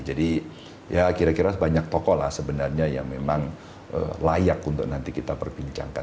jadi ya kira kira banyak tokoh lah sebenarnya yang memang layak untuk nanti kita perbincangkan